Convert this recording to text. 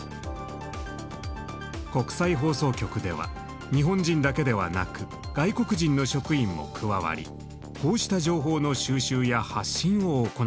国際放送局では日本人だけではなく外国人の職員も加わりこうした情報の収集や発信を行っています。